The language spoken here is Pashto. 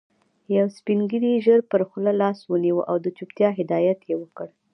يو سپين ږيري ژر پر خوله لاس ونيو او د چوپتيا هدایت يې وکړ.